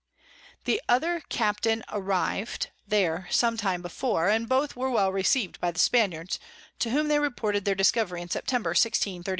The other Captain arriv'd there some time before, and both were well receiv'd by the Spaniards, to whom they reported their Discovery in September 1638.